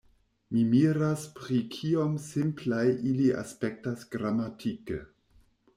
Mi miras pri kiom simplaj ili aspektas gramatike.